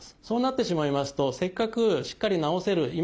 そうなってしまいますとせっかくしっかり治せる